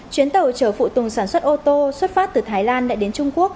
chuyến tàu chở phụ tùng sản xuất ô tô xuất phát từ thái lan đã đến trung quốc